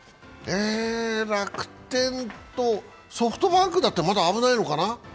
楽天とソフトバンクだって、まだ危ないのかな。